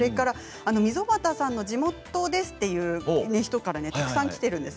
溝端さんの地元ですという人からたくさんきています。